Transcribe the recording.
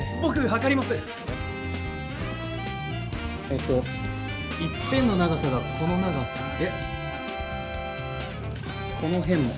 えっと一辺の長さがこの長さでこの辺も。